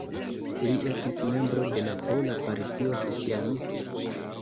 Li estis membro de la Pola Partio Socialista.